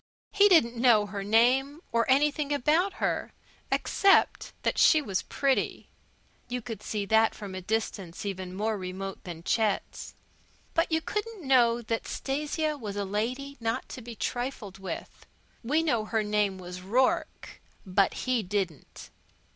He didn't know her name nor anything about her, except that she was pretty. You could see that from a distance even more remote than Chet's. But you couldn't know that Stasia was a lady not to be trifled with. We know her name was Rourke, but he didn't.